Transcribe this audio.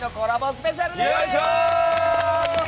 スペシャルです。